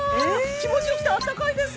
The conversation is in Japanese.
気持ち良くてあったかいです。